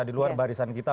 di luar barisan kita